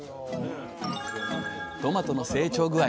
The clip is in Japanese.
トマトの成長具合